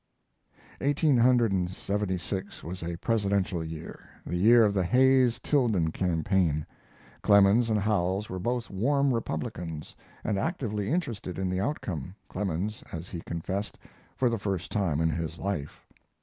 ] Eighteen hundred and seventy six was a Presidential year the year of the Hayes Tilden campaign. Clemens and Howells were both warm Republicans and actively interested in the outcome, Clemens, as he confessed, for the first time in his life.